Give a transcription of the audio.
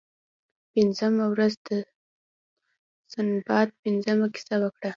پنځمه ورځ سنباد پنځمه کیسه وکړه.